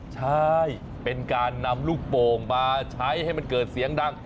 ใช่เป็นการนำลูกโป่งมาใช้ให้มันเกิดเสียงดัง